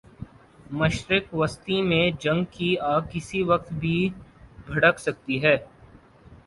مشرق وسطی میں جنگ کی آگ کسی وقت بھی بھڑک سکتی ہے۔